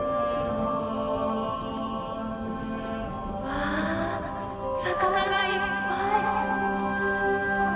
わあ魚がいっぱい！